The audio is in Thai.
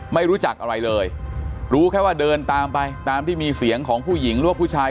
ไม่รู้จักอะไรเลยรู้แค่ว่าเดินตามไปตามที่มีเสียงของผู้หญิงหรือว่าผู้ชาย